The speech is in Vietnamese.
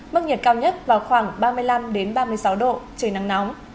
mức nhiệt cao nhất vào khoảng ba mươi năm ba mươi sáu độ trời nắng nóng